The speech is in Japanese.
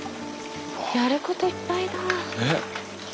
やることいっぱいだ。